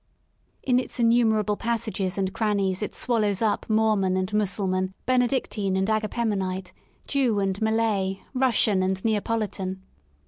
In its innumerable passages and crannies it swallows up Mormon and Mussulman, Benedictine and Agapemo nite, Jew and Malay, Russian and Neapolitan.